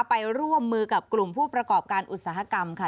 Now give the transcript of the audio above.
ไปร่วมมือกับกลุ่มผู้ประกอบการอุตสาหกรรมค่ะ